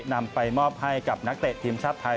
นำไปมอบให้กับนักเตะทีมชาติไทย